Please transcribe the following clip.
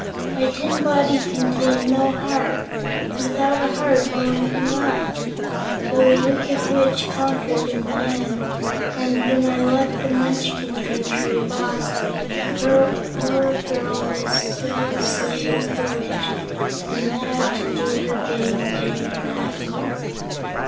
My tin body contained no heart, and without a heart no one can love. So the Wicked Witch conquered in the end, and when I left the Munchkin Country of Oz, the poor girl was still the slave of the Witch and had to do her bidding day and night."